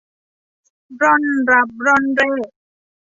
ร่อนรับร่อนเร่